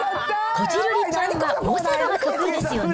こじるりちゃんはオセロが得意ですよね？